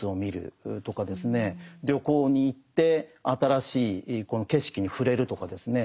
旅行に行って新しい景色に触れるとかですね